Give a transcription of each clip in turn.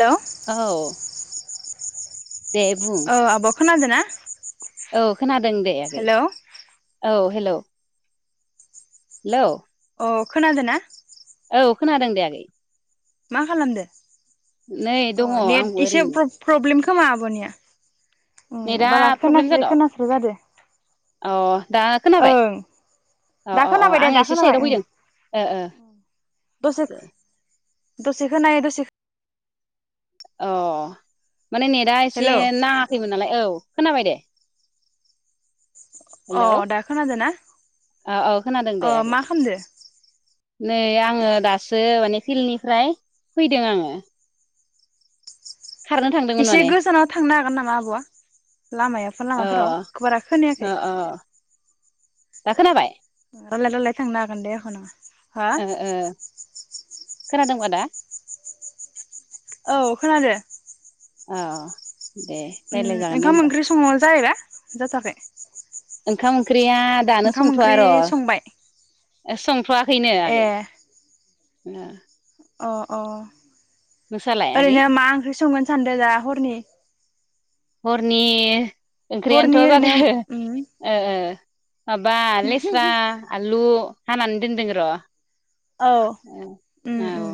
हेल' औ दे बुं खोनादोंना? औ खोनादों दे आगै औ हेलौ हेल' अ खोनादोंना? औ खोनादों दे आगै मा खालामदों? नै ओ दङ नेट आंबो एसे ओरैनो प्र प्रब्लेम खोमा आबनिया नै अ दा बारा खोनास्रो खोनास्रो जादों औ दा खोनाबाय अ दा अ अ खोनाबाय दे आं दा एसे खोनाबाय साइदआव ओं फैदों ओ दसे ओ द'से खोनायो द'से औ माने नेटआ एसे हेलौ नाङाखैमोन नालाय औ खोनाबाय दे ओ हेलौ दा खोनादो ना औ औ खोनादों दे ओ आगै मा खामदो? नै आङो दासो माने फिलनिफ्राय फैदों आङो खारनो थांदोंमोन एसे माने गोजानाव थांनो हागोन नामा आब'आ लामायाव अ लामाफोराव बारा अ खोनायाखै अ दा खोनाबाय? रलाय रलाय थांनो हागोन दे आख' नों ओ ओ खोनादोंबा दा? औ खोनादों। ओ ओम ओंखाम ओंख्रि संनो जायोबा जथ'वाखै ओंखाम ओंख्रि बेया दानो संथ'वा र संबाय संथवा खैनो आगै ए ओ अ अ नोंसालाय आगै ओरैनो मा ओंख्रि संगोन सानदों दा हरनि? हरनि हरनि ओंख्रियानोथ' ओरैनो जादो उम ओ ओ। माबा लेस्रा आलु। हानानै दोनदों र'। औ उम उम।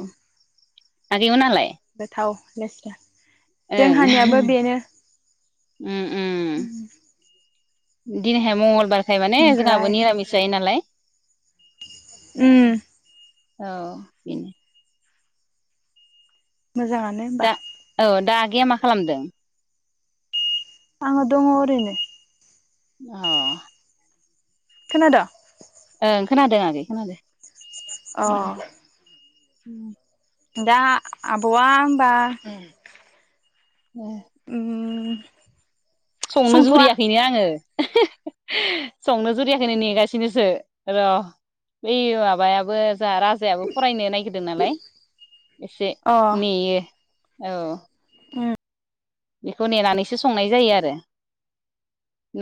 आगैमोनालाय गोथाव लेस्रा ओं जोंहानियाबो बेनो। उम। दिनैहाय मंगलबार खाय माने जोंहाबो निरामिस जायो नालाय। उम। औ बेनो। मोजाङानो होमबा। गैया मा खालामदों? आङो दङ ओरैनो। अ खोनादों? ओं खोनादों आगै खोनादो। अ उम। दा आबवा होमबा [inaudible] उम संनो संथ'वा जुरियाखैनो आङो। [unintelligible] संनो जुरियाखैनो नेगासिनोसो र बै माबायाबो जा राजायाबो फरायनो नायगिरदों नालाय एसे अ नेयो। औ। बेखौ नेनानैसो संनाय जायो आरो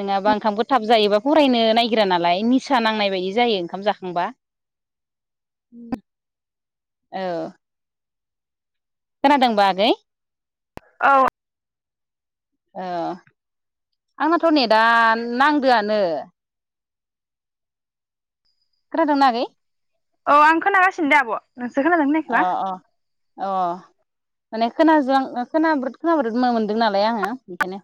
नोङाबा ओंखामखौ थाब जायोबा फरायनो नायगिरा नालाय निसा नांनाय बायदि जायो ओंखाम जाखांबा औ। खोनादोंबा आगै? औ। औ आंनाथ' नेदा नांदोआनो। खोनादोंना आगै? औ आं खोनागासिनो दे आब। नोंसो खोनादोंना अ खोनायाखैबा? अ अ माने खोनाज्रां ओ खोनाब्रोद खोनाब्रोद मोनदों नालाय आङो बेखायनो।